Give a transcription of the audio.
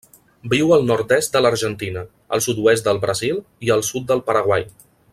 Viu al nord-est de l'Argentina, el sud-oest del Brasil i el sud del Paraguai.